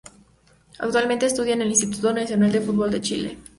Actualmente estudia en el Instituto Nacional del Fútbol de Chile.